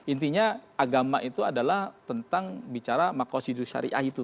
intinya agama itu adalah tentang bicara makashidu syariah itu